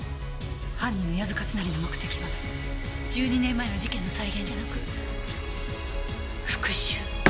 犯人の谷津勝成の目的は１２年前の事件の再現じゃなく復讐。